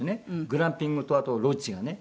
グランピングとあとロッジがね。